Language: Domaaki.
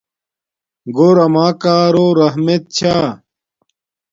گھور اما کارو رحمت چھا